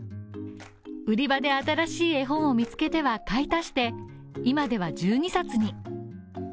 売り場で新しい絵本を見つけては買い足して今では１２冊に。